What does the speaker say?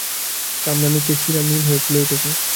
চামড়ার নিচের শিরা নীল হয়ে ফুলে উঠেছে।